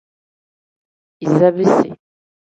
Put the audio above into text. Iza bisi.